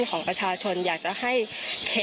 พี่น้องวาหรือว่าน้องวาหรือ